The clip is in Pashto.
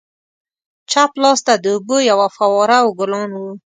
چپ لاسته د اوبو یوه فواره او ګلان وو.